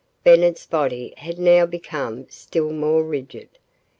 Bennett's body had now become still more rigid.